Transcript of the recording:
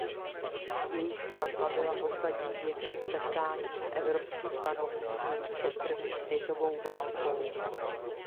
Jejich svatba byla posledním větším setkáním evropských panovníků před první světovou válkou.